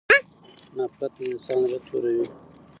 نفرت د انسان زړه توروي.